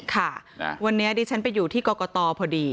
ค่ะวันนี้ดิฉันไปอยู่ที่กรกตพอดี